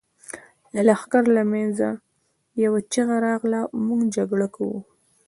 د لښکر له مينځه يوه چيغه راغله! موږ جګړه کوو.